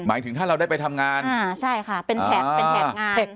ถึงถ้าเราได้ไปทำงานอ่าใช่ค่ะเป็นแถบเป็นแถบงาน